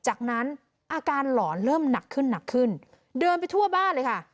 จากนั้นอาการหลอนเริ่มหนักขึ้นหนักขึ้นเดินไปทั่วบ้านเลยค่ะ